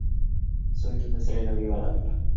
Su último estreno, "¡Viva la Pepa!